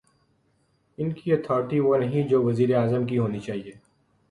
ان کی اتھارٹی وہ نہیں جو وزیر اعظم کی ہونی چاہیے۔